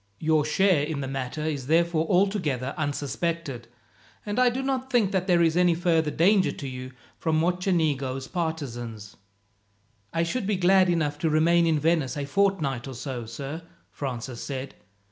Your share in the matter is therefore altogether unsuspected, and I do not think that there is any further danger to you from Mocenigo's partisans." "I should be glad enough to remain in Venice a fortnight or so, sir," Francis said.